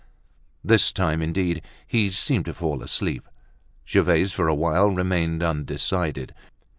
This time indeed, he seemed to fall asleep. Gervaise, for a while, remained undecided.